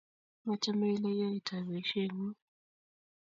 Machame ile iyoitoi poisyeng'ung'